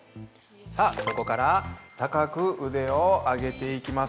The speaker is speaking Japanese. さあ、ここから高く腕を上げていきます。